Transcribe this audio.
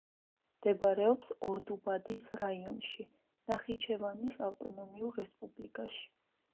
მდებარეობს ორდუბადის რაიონში, ნახიჩევანის ავტონომიურ რესპუბლიკაში.